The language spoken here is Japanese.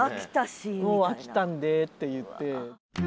もう飽きたんでっていって。